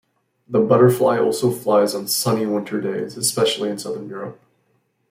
The butterfly also flies on sunny winter days, especially in southern Europe.